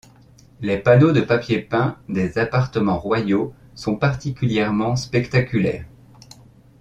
Les panneaux de papiers peints des appartements royaux sont particulièrement spectaculaires.